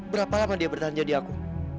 berapa lama dia bertahan jadi aku